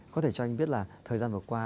có thể cho anh biết là thời gian vừa qua